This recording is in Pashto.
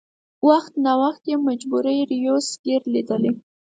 وخت ناوخت یې د مجبورۍ رېورس ګیر لېدلی.